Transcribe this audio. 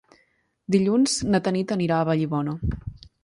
Dilluns na Tanit anirà a Vallibona.